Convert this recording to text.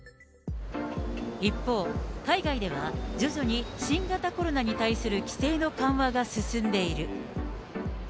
一方、海外では徐々に新型コロナに対する規制の緩和が進んでいる。